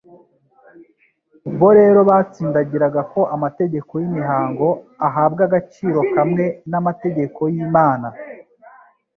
Bo rero batsindagiraga ko amategeko y'imihango ahabwa agaciro kamwe n'amategeko y'Imana.